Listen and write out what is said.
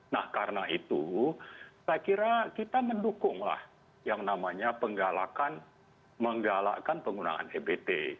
nah karena itu saya kira kita mendukunglah yang namanya menggalakkan penggunaan ebt